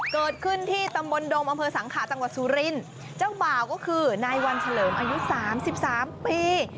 เกิดขึ้นที่ตำบลดมอำเภอสังขาจังหวัดสุรินทร์เจ้าบ่าวก็คือนายวันเฉลิมอายุสามสิบสามปี